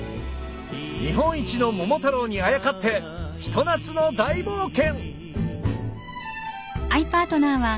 日本一の桃太郎にあやかってひと夏の大冒険！